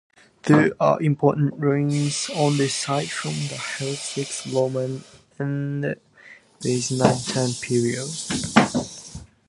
There are important ruins on the site from the Hellenistic, Roman, and Byzantine periods.